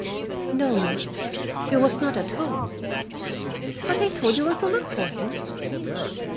"No, Miss, he was not at home." "But they told you where to look for him?"